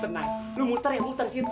tenang tenang lu muster ya muster disitu